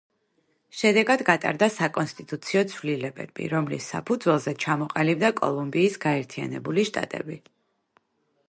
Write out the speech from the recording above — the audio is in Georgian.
შედეგად, გატარდა საკონსტიტუციო ცვლილებები, რომლის საფუძველზე ჩამოყალიბდა კოლუმბიის გაერთიანებული შტატები.